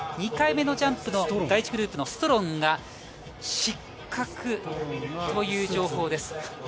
２回目のジャンプの第１グループのストロンが失格という情報です。